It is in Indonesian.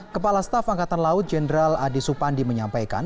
kepala staf angkatan laut jenderal adi supandi menyampaikan